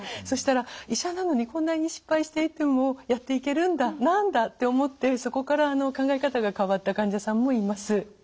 そしたら医者なのにこんなに失敗していてもやっていけるんだ何だって思ってそこから考え方が変わった患者さんもいます。